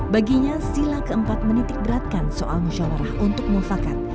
baginya sila keempat menitikberatkan soal musyawarah untuk mufakat